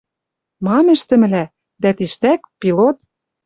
Мам ӹштӹмлӓ? Дӓ тиштӓк пилот